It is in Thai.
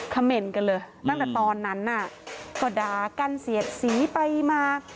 คำเมนต์กันเลยตั้งแต่ตอนนั้นก็ดากันเสียดสีไปมา